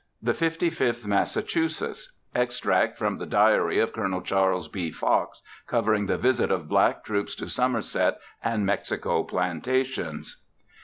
THE FIFTY FIFTH MASSACHUSETTS. _Extracts from the Diary of Col. Charles B. Fox, covering the visit of black troops to Somerset and Mexico Plantations.